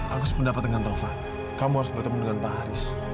aku sependapat dengan tova kamu harus bertemu dengan pak haris